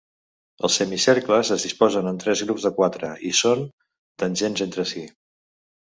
Els semicercles es disposen en tres grups de quatre, i són tangents entre si.